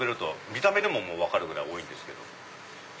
見た目でも分かるぐらい多いんですけど。